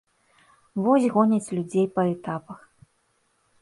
Вось гоняць людзей па этапах.